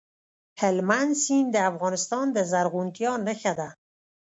هلمند سیند د افغانستان د زرغونتیا نښه ده.